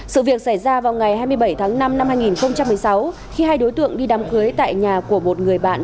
sự việc xảy ra vào ngày hai mươi bảy tháng năm năm hai nghìn một mươi sáu khi hai đối tượng đi đám cưới tại nhà của một người bạn